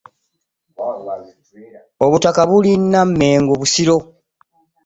Obutaka buli Nnamengo Busiro.